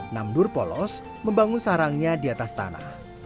namdur polos membangun sarangnya di atas tanah